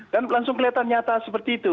dan langsung kelihatan nyata seperti itu